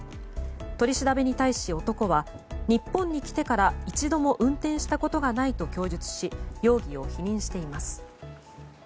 取り調べに対し男は日本に来てから一度も運転したことがないと供述し容疑を否認しています。